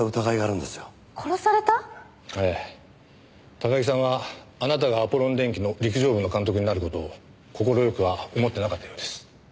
高木さんはあなたがアポロン電機の陸上部の監督になる事を快くは思ってなかったようです。